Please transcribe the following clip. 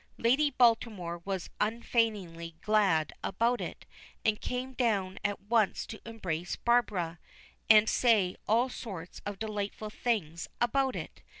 Lady Baltimore was unfeignedly glad about it, and came down at once to embrace Barbara, and say all sorts of delightful things about it.